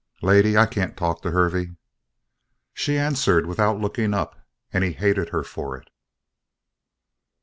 "Lady, I can't talk to Hervey." She answered without looking up, and he hated her for it.